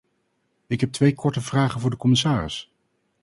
Ik heb twee korte vragen voor de commissaris.